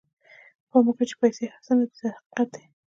پام وکړئ چې پیسې هر څه نه دي دا حقیقت دی.